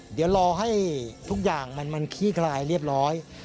เดี๋ยวรอให้ทุกอย่างมันขี้คลายเรียบร้อย